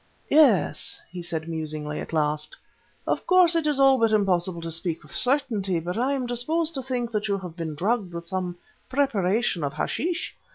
"Yes," he said musingly at last. "Of course it is all but impossible to speak with certainty, but I am disposed to think that you have been drugged with some preparation of hashish.